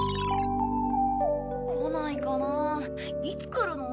来ないかないつ来るの？